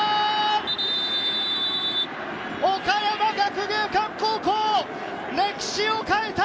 岡山学芸館高校、歴史を変えた！